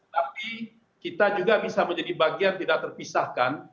tapi kita juga bisa menjadi bagian tidak terpisahkan